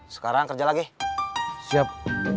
sekarang kerja lagi siap